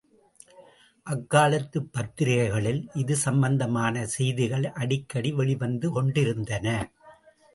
அக்காலத்துப் பத்திரிகைகளில் இது சம்பந்தமான செய்திகள் அடிக்கடி வெளிவந்து கொண்டிருந்தன.